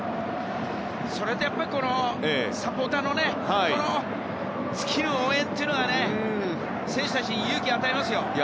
それで、このサポーターのこの尽きぬ応援というのは選手たちに勇気を与えますよ。